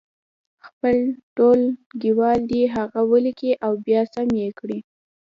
خپل ټولګیوال دې هغه ولیکي او بیا سم یې کړي.